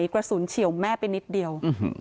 กระสุนเฉี่ยวแม่ไปนิดเดียว